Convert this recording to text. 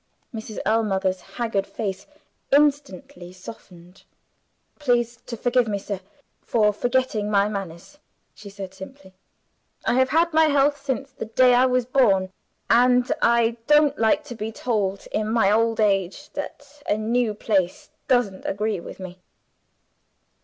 Mrs. Ellmother's haggard face instantly softened. "Please to forgive me, sir, for forgetting my manners," she said simply. "I have had my health since the day I was born and I don't like to be told, in my old age, that a new place doesn't agree with me."